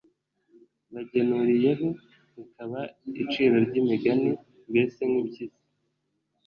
bagenuriyeho bikaba iciro ry’imigani, mbese nk’impyisi